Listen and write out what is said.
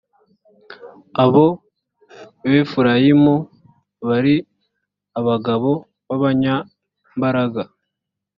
abo mu befurayimu bari abagabo b’abanyambaraga